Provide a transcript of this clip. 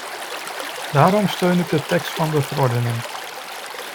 Daarom steun ik de tekst van de verordening.